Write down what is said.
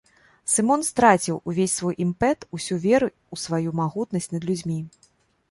Сымон страціў увесь свой імпэт, усю веру ў сваю магутнасць над людзьмі.